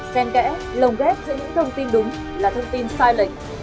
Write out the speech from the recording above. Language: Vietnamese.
sen kẽ lồng ghép giữa những thông tin đúng là thông tin sai lệch